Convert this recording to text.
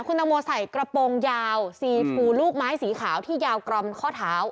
คุณตังโมใส่กระโปรงยาวสีฟูลูกไม้สีขาวที่ยาวกร่อมข้อเท้า